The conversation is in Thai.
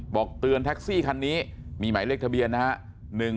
บอกเตือนแท็กซี่คันนี้มีหมายเลขทะเบียนนะครับ